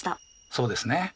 そうですね。